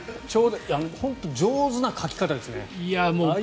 本当に上手なかき方ですね。